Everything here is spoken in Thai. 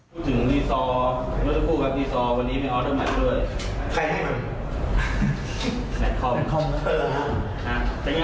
ก็จะไม่เล่นตัวจริงมานะโอโหกี่ปีหรอนะ